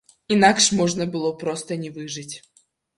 Інакш можна было проста не выжыць.